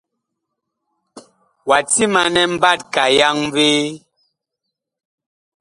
Wa timanɛ mbatka yaŋvee?